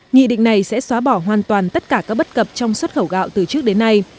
nghị định này sẽ xóa bỏ hoàn toàn tất cả các bất cập trong xuất khẩu gạo từ trước đến nay